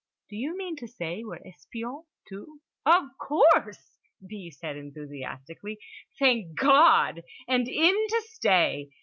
"Do you mean to say we're espions too?" "Of course!" B. said enthusiastically. "Thank God! And in to stay.